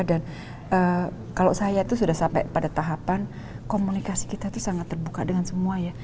dan kalau saya itu sudah sampai pada tahapan komunikasi kita sangat terbuka dengan semua ya